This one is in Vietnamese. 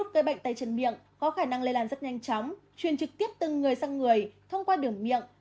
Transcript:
còn bệnh tay chân miệng bao gồm trẻ tiếp xúc trực tiếp với người nhiễm bệnh